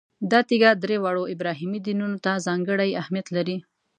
دا تیږه درې واړو ابراهیمي دینونو ته ځانګړی اهمیت لري.